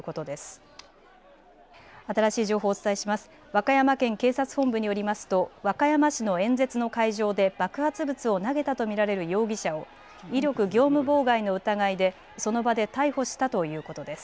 和歌山県警察本部によりますと和歌山市の演説の会場で爆発物を投げたと見られる容疑者を威力業務妨害の疑いでその場で逮捕したということです。